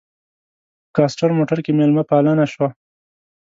په کاسټر موټر کې مېلمه پالنه شوه.